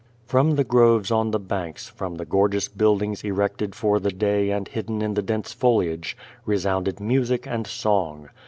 From the groves on the banks, from the gorgeous buildings erected for the day and hidden in the dense foliage, resounded music and song.